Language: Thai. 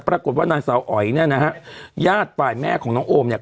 ปรากฏว่านางสาวอ๋อยเนี่ยนะฮะญาติฝ่ายแม่ของน้องโอมเนี่ย